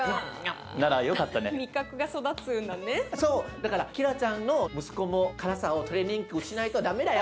だから希良ちゃんの息子も辛さをトレーニングしないと駄目だよ。